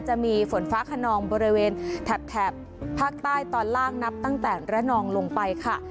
จะมีฝนฟ้าขนองบริเวณแถบภาคใต้ตอนล่างนับตั้งแต่ระนองลงไปค่ะ